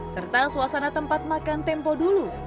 serta suasana tempat makan tempo dulu